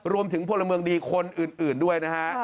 รวมถึงพลเมืองดีคนอื่นด้วยนะฮะ